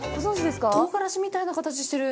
唐がらしみたいな形してる。